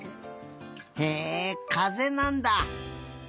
へえかぜなんだ。